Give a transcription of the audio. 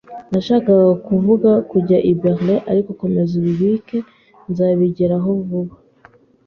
Nashakaga kuvuga kujya i Berlin, ariko komeza ubireke, I´ll nzabigeraho vuba.